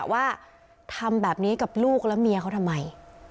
ว่าทำแบบนี้กับลูกและเมียเขาทำไม